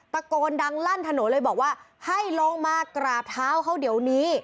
ตะโกนดังลั่นถนนเลยบอกว่าให้ลงมากราบเท้าเขาเดี๋ยวนี้